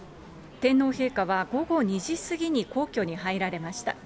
天皇陛下は午後２時過ぎに皇居に入られました。